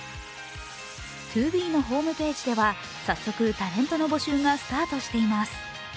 ＴＯＢＥのホームページでは早速、タレントの募集がスタートしています。